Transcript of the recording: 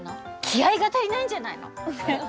気合いが足りないんじゃないの？